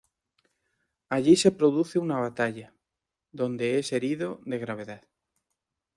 Allí se produce una batalla, donde es herido de gravedad.